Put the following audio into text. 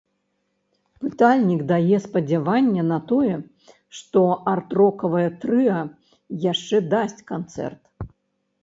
Пытальнік дае спадзяванне на тое, што арт-рокавае трыа яшчэ дасць канцэрт.